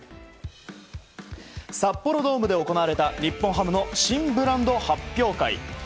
札幌ドームで行われた日本ハムの新ブランド発表会。